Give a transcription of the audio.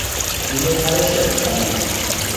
Ну, мый кайышым, Салий!